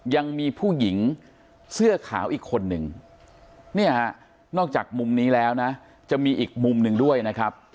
ยังมีผู้หญิงเสื้อขาวอีกคนนึงเนี่ยฮะนอกจากมุมนี้แล้วนะจะมีอีกมุมหนึ่งด้วยนะครับ